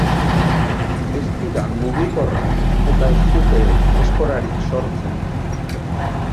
Ez dira mugikorrak eta ez dute esporarik sortzen.